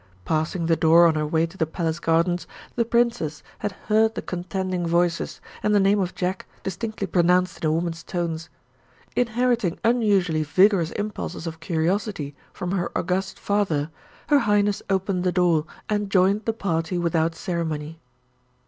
Passing the door on her way to the Palace gardens, the Princess had heard the contending voices, and the name of Jack distinctly pronounced in a woman's tones. Inheriting unusually vigorous impulses of curiosity from her august father, her Highness opened the door and joined the party without ceremony.